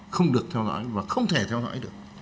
không được theo dõi và không thể theo dõi được